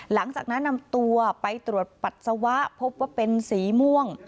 หลังจากนั้นนำตัวไปตรวจปัสสาวะพบว่าเป็นสีม่วง